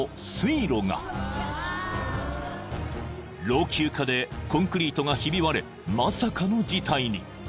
［老朽化でコンクリートがひび割れまさかの事態に］